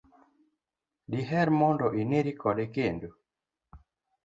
diher mondo ineri kode kendo?